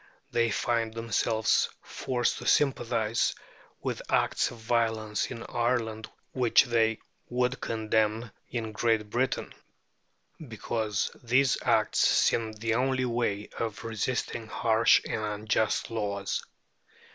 They find themselves forced to sympathize with acts of violence in Ireland which they would condemn in Great Britain, because these acts seem the only way of resisting harsh and unjust laws.